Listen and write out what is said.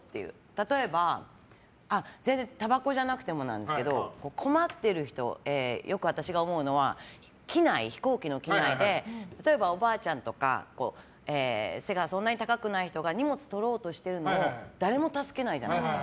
例えば、全然たばこじゃなくてもなんですけど困っている人よく私が思うのは飛行機の機内で例えば、おばあちゃんとか背がそんなに高くない人が荷物を取ろうとしてるのを誰も助けないじゃないですか。